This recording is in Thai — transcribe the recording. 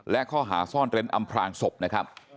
และข้อหาซ่อนเร้นอำพลางศพนะครับ